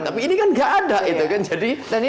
tapi ini kan nggak ada gitu kan